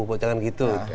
oh jangan gitu